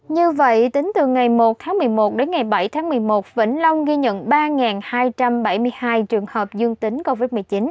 như vậy tính từ ngày một tháng một mươi một đến ngày bảy tháng một mươi một vĩnh long ghi nhận ba hai trăm bảy mươi hai trường hợp dương tính covid một mươi chín